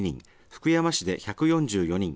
福山市で１４４人